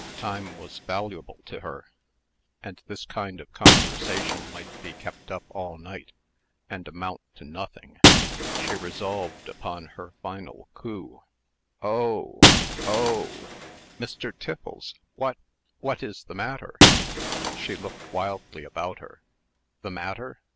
Time was valuable to her, and this kind of conversation might be kept up all night, and amount to nothing. She resolved upon her final coup. "Oh! oh! Mr. Tiffles, what what is the matter?" She looked wildly about her. "The matter!